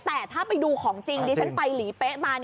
แต่ถ้าไปดูของจริงดิฉันไปหลีเป๊ะมา